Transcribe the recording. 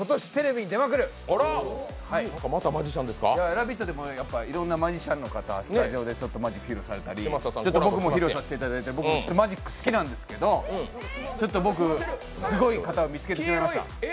「ラヴィット！」でもいろんなマジシャンの方、スタジオでマジックを披露したり僕も披露させていただいて僕もマジック好きなんですけどちょっと僕、すごい方を見つけてしまいました。